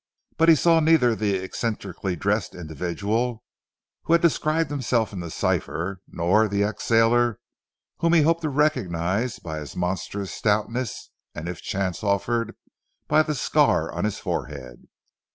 But he saw neither the eccentrically dressed individual, who had described himself in the cipher, nor the ex sailor, whom he hoped to recognise by his monstrous stoutness, and if chance offered, by the scar on his forehead.